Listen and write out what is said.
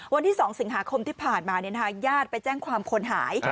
วันที่๒สิงหาคมที่ผ่านมาญาติไปแจ้งความคนหาย